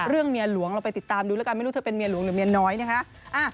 เมียหลวงเราไปติดตามดูแล้วกันไม่รู้เธอเป็นเมียหลวงหรือเมียน้อยนะคะ